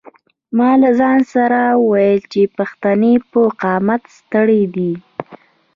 ما له ځان سره وویل چې پښتنې په قامت سترې دي.